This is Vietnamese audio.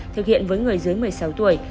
thực hiện với người dưới một mươi sáu tuổi